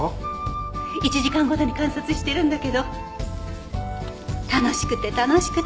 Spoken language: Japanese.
１時間ごとに観察してるんだけど楽しくて楽しくて。